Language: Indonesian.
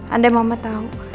andai mama tau